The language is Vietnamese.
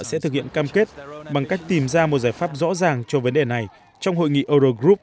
sẽ thực hiện cam kết bằng cách tìm ra một giải pháp rõ ràng cho vấn đề này trong hội nghị euro group